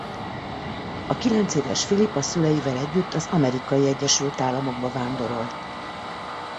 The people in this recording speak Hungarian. A kilencéves Phillip a szüleivel együtt az Amerikai Egyesült Államokba vándorolt.